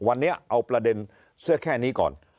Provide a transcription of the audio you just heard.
วันนี้เอาประเด็นเสื้อแค่นี้ก่อน